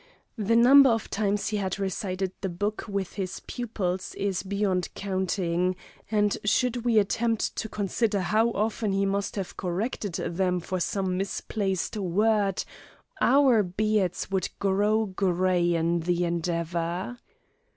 The number of times he had recited the Book with his pupils is beyond counting; and should we attempt to consider how often he must have corrected them for some misplaced word, our beards would grow gray in the endeavor.